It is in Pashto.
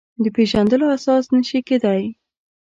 د پېژندلو اساس نه شي کېدای.